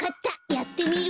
やってみる。